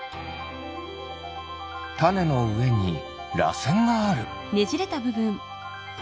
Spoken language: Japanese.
タネのうえにらせんがある。